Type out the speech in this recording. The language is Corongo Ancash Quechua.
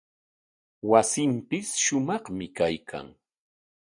Wasinpis shumaqmi kaykan.